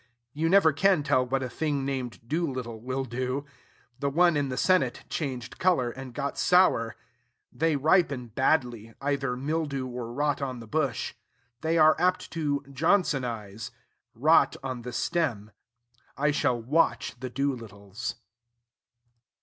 You never can tell what a thing named Doolittle will do. The one in the Senate changed color, and got sour. They ripen badly, either mildew, or rot on the bush. They are apt to Johnsonize, rot on the stem. I shall watch the Doolittles.